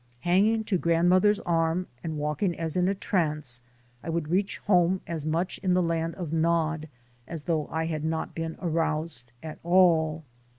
Hanging to grandmother's arm and walking as in a trance, I would reach home as much in the land of Nod as though I had not been aroused at all.